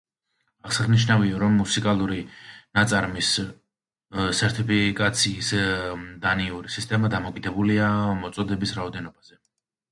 აღსანიშნავია, რომ მუსიკალური ნაწარმის სერთიფიკაციის დანიური სისტემა დამოკიდებულია მოწოდების რაოდენობაზე.